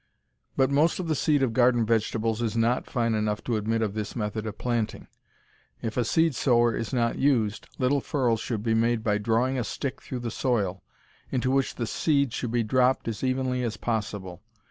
But most of the seed of garden vegetables is not fine enough to admit of this method of planting. If a seed sower is not used, little furrows should be made by drawing a stick through the soil, into which the seed should be dropped as evenly as possible.